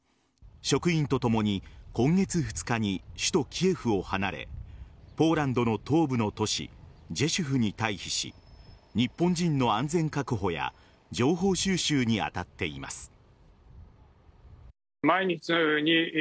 職員とともに今月２日に首都・キエフを離れポーランドの東部の都市ジェシュフに退避し日本人の安全確保や情報収集に当たっています。